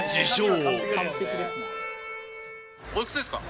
王おいくつですか？